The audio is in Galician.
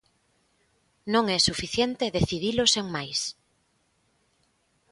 Non é suficiente decidilo sen máis.